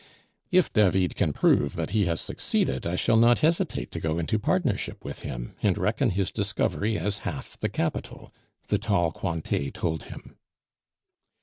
"If David can prove that he has succeeded, I shall not hesitate to go into partnership with him, and reckon his discovery as half the capital," the tall Cointet told him.